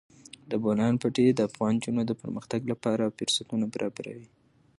د بولان پټي د افغان نجونو د پرمختګ لپاره فرصتونه برابروي.